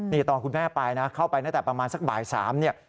นี่ตอนคุณแม่ไปนะเข้าไปตั้งแต่ประมาณสักบ่าย๓เนี่ย